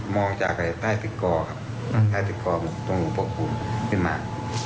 มองจากใต้ตึกกอครับใต้ตึกกอตรงหัวปกปุ่มขึ้นมา